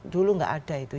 dulu gak ada itu